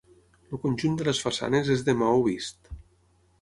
El conjunt de les façanes és de maó vist.